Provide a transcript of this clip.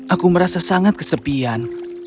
aku merasa sangat kesepian